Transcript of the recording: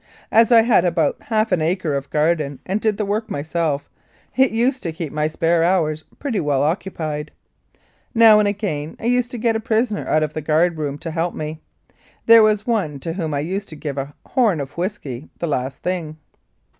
As I had about half an acre of garden and did the work myself, it used to keep my spare hours pretty well occupied. Now and again i used to get a prisoner out of the guard room to help me. There was one to whom I used to give a "horn " of whisky the last thing.